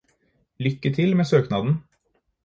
Lykke til med søknaden